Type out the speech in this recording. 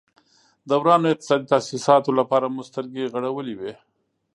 د ورانو اقتصادي تاسیساتو لپاره مو سترګې غړولې وې.